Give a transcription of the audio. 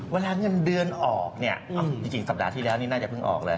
เวลาเงินเดือนออกเนี่ยเอาจริงสัปดาห์ที่แล้วนี่น่าจะเพิ่งออกเลย